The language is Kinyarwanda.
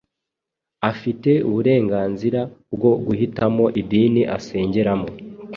Afite uburenganzira bwo guhitamo idini asengeramo